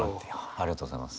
ありがとうございます。